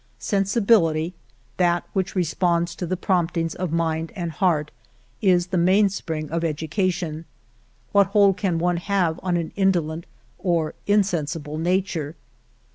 Sen sibility, that which responds to the promptings of mind and heart, is the mainspring of educa tion. What hold can one have on an indolent or insensible nature